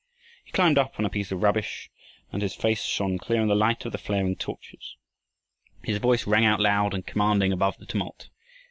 He climbed up on a pile of rubbish and his face shone clear in the light of the flaring torches. His voice rang out loud and commanding above the tumult.